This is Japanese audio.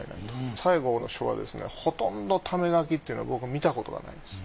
西郷の書はですねほとんど為書きっていうの僕見たことがないです。